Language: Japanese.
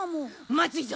まずいぞ。